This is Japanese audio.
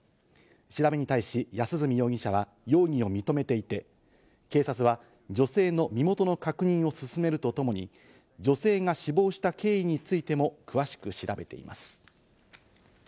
調べに対し、安栖容疑者は容疑を認めていて、警察は、女性の身元の確認を進めるとともに、女性が死亡した経緯についても詳しく調べています。